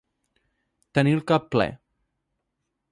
Tenir el cap ple.